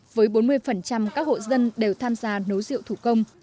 với bốn mươi các hộ dân đều tham gia nấu rượu thủ công